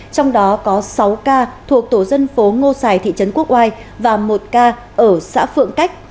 trong đó có sáu ca thuộc tổ dân phố ngô xài thị trấn quốc oai và một ca ở xã phượng cách